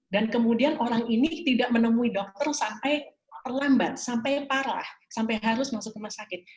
dan kemudian orang ini tidak menemui dokter sampai terlambat sampai parah sampai harus masuk rumah sakit